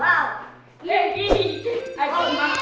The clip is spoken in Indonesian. ajar makanan banget